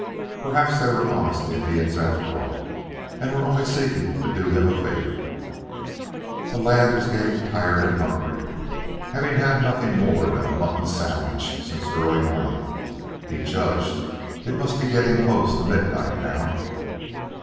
Perhaps they were honest Indians after all and were only seeking to do him a favor. The lad was getting tired and hungry, having had nothing more than a mutton sandwich since early morning. He judged it must be getting close to midnight now.